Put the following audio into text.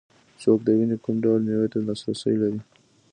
څوک د ونې کوم ډول مېوې ته لاسرسی لري